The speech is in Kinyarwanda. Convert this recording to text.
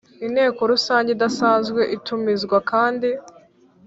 Inteko rusange idasanzwe itumizwa kandi